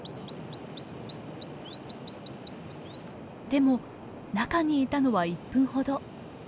でも中にいたのは１分ほど。